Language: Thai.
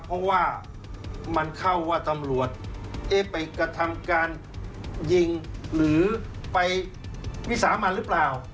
เพราะว่ามันเข้าว่าตำรวจเอ๊ะไปกระทำการยิงหรือไปวิสามันหรือเปล่า